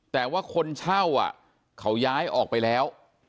แต่ว่าคนเช่าเขาย้ายออกไปแล้ว